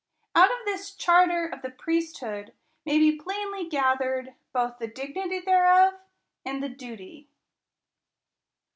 Out of this charter of the priesthood may be plainly gathered both the dignity thereof, and the duty.